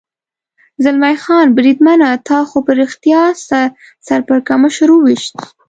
زلمی خان: بریدمنه، تا خو په رښتیا سر پړکمشر و وېشت.